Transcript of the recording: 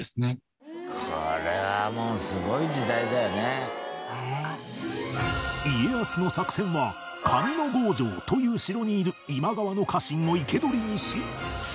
これはもう家康の作戦は上ノ郷城という城にいる今川の家臣を生け捕りにし